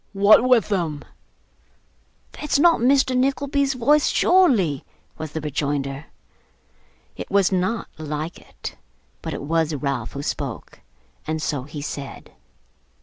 'What with him?' 'That's not Mr. Nickleby's voice, surely?' was the rejoinder. It was not like it; but it was Ralph who spoke, and so he said.